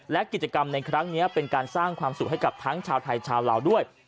และกิจกรรมในครั้งนี้เป็นการสร้างความสุขให้กับทั้งชาวไทยชาวลาวด้วย